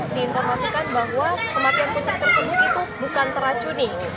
diinformasikan bahwa kematian puncak tersebut itu bukan teracuni